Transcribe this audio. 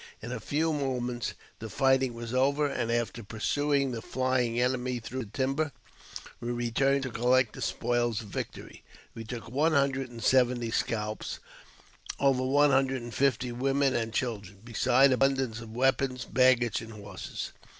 In a few^ 180 AVTOBIOGBAPHY OF ■ moments the fighting was over, and after pursuing the flying enemy through the timber, we returned to collect the spoils of victory. We took one hundred and seventy scalps, over one hundred and fifty women and children, besides abundance of weapons, baggage, and horses.